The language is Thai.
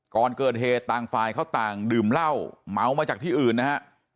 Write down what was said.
ก่อนเกิดเหตุต่างฝ่ายเขาต่างดื่มเหล้าเมามาจากที่อื่นนะฮะ